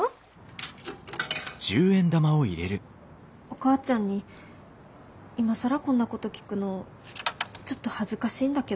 お母ちゃんに今更こんなこと聞くのちょっと恥ずかしいんだけど。